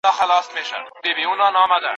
ژوند یې کور دی د اغزیو بس په قبر کي آرام دی